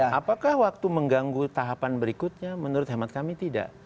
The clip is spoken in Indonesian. nah apakah waktu mengganggu tahapan berikutnya menurut hemat kami tidak